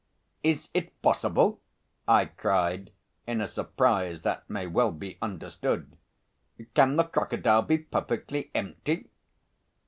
"Is it possible?" I cried, in a surprise that may well be understood. "Can the crocodile be perfectly empty?"